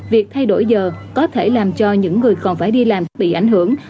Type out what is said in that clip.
việc thay đổi giờ có thể làm cho những người còn phải đi làm bị ảnh hưởng